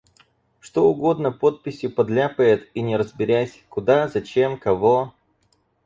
Что угодно подписью подляпает, и не разберясь: куда, зачем, кого?